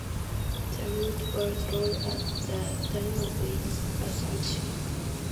The route was long at the time of its assumption.